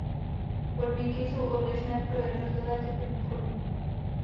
Podmínky jsou odlišné pro jednotlivé typy důchodů.